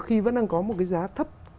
khi vẫn đang có một cái giá thấp